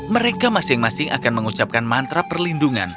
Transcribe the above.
mereka masing masing akan mengucapkan mantra perlindungan